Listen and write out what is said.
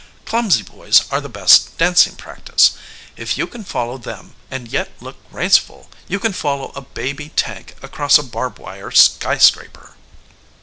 Clumsy boys are the best dancing practice. If you can follow them and yet look graceful you can follow a baby tank across a barb wire sky scraper."